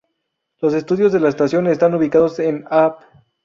Los estudios de la estación están ubicados en Av.